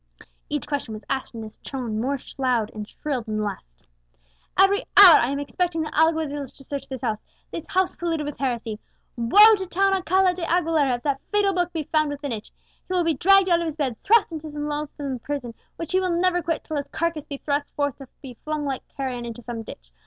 Each question was asked in a tone more loud and shrill than the last. "Every hour I am expecting the alguazils to search this house, this house polluted with heresy. Woe to Don Alcala de Aguilera if that fatal book be found within it! He will be dragged out of his bed, thrust into some loathsome prison which he will never quit till his carcass be thrust forth to be flung like carrion into some ditch!